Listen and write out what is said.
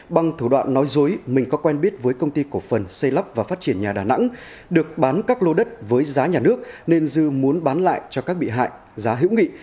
bằng thủ đoạn nói dối mình có quen biết với công ty cổ phần xây lắp và phát triển nhà đà nẵng được bán các lô đất với giá nhà nước nên dư muốn bán lại cho các bị hại giá hữu nghị